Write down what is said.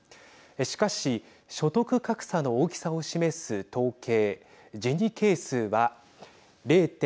しかし所得格差の大きさを示す統計ジニ係数は０．４６。